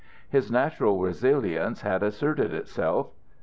His natural resilience had asserted itself.